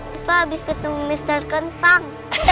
rafa habis ketemu mister kentang